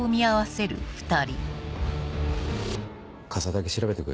傘だけ調べとく？